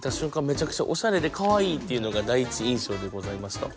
めちゃくちゃおしゃれでかわいいっていうのが第一印象でございました。